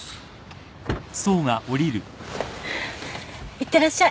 いってらっしゃい。